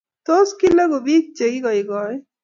tos kileku biik che koikoi?